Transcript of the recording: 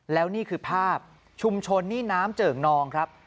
แล้วนี่คือภาพชุมชนนี่น้ำเจิ่งนองครับ